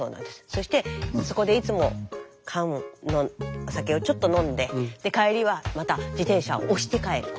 そしてそこでいつも缶のお酒をちょっと飲んでで帰りはまた自転車を押して帰ると。